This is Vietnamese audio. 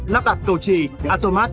lắp đặt cầu trì atomat